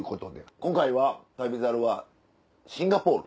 今回は『旅猿』はシンガポール。